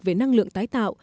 về năng lượng tái tạo